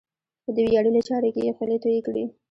په دې ویاړلې چارې کې یې خولې تویې کړې.